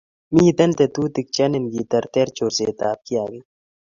mito tetutik che niin keterter chorsetab kiagiik